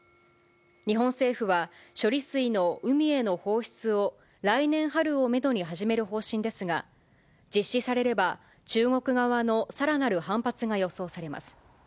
日本政府は、処理水の海への放出を来年春をメドに始める方針ですが、実施されれば、中国側のさらなる反発が予想されます。